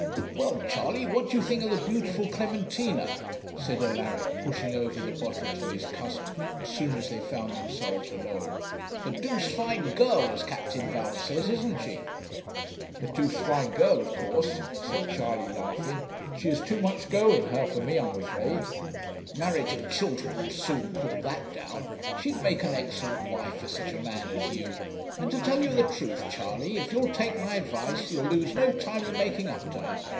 'Well, Charley, what do you think of the beautiful Clementina?' said Alaric, pushing over the bottle to his cousin, as soon as they found themselves alone. 'A 'doosed' fine girl, as Captain Val says, isn't she?' 'A 'doosed' fine girl, of course,' said Charley, laughing. 'She has too much go in her for me, I'm afraid.' 'Marriage and children will soon pull that down. She'd make an excellent wife for such a man as you; and to tell you the truth, Charley, if you'll take my advice, you'll lose no time in making up to her.